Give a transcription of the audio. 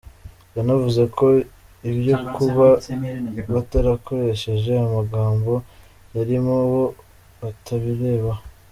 Yanavuze ko ibyo kuba batarakoresheje amagambo ayirimo bo batabirebaho.